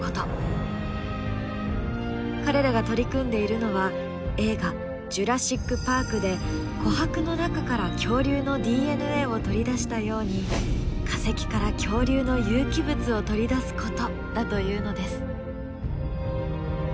彼らが取り組んでいるのは映画「ジュラシック・パーク」で琥珀の中から恐竜のＤＮＡを取り出したように化石から恐竜の有機物を取り出すことだというのです。